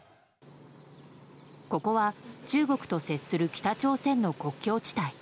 ここは、中国と接する北朝鮮の国境地帯。